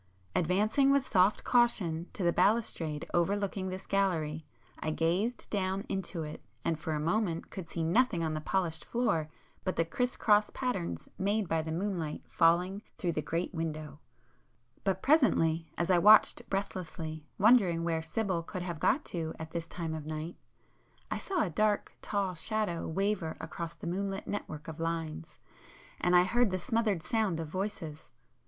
Advancing with soft caution to the balustrade overlooking this gallery, I gazed down into it, and for a moment could see nothing on the polished floor but the criss cross patterns made by the moonlight falling through the great window,—but presently, as I watched breathlessly, wondering where Sibyl could have gone to at this time of night, I saw a dark tall Shadow waver across the moonlit network of lines, and I heard the smothered sound of voices.